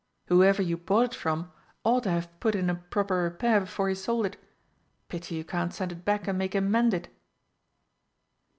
Whoever you bought it from ought to have put it in proper repair before he sold it. Pity you can't send it back and make him mend it!"